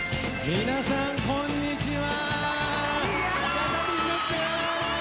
皆さんこんにちは。